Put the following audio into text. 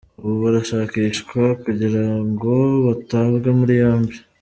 Ubu barashakishwa kugirango batabwe muri yombi.